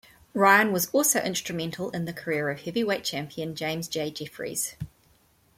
Ryan was also instrumental in the career of heavyweight champion James J. Jeffries.